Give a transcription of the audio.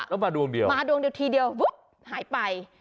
แล้วมาดวงเดียวมาดวงเดียวทีเดียวปุ๊บหายไป